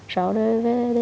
sau đó về đây